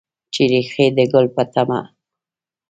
چې ریښې د ګل په تمه